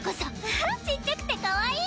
わぁちっちゃくてかわいい！